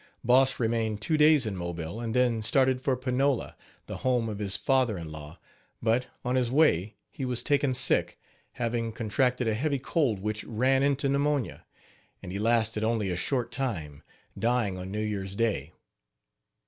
Boss remained two days in Mobile, and then started for Panola, the home of his father in law; but, on his way, he was taken sick, having contracted a heavy cold which ran into pneumonia, and he lasted only a short time, dying on New Year's day.